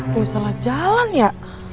gue salah jalan ya